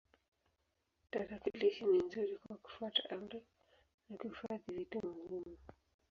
Tarakilishi ni nzuri kwa kufuata amri na kuhifadhi vitu muhimu.